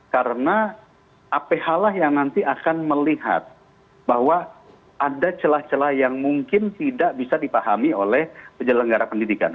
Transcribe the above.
karena aph lah yang nanti akan melihat bahwa ada celah celah yang mungkin tidak bisa dipahami oleh penyelenggara pendidikan